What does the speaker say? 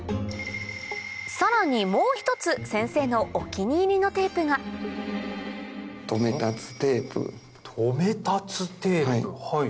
さらにもう一つ先生のお気に入りのテープがとめたつテープはい。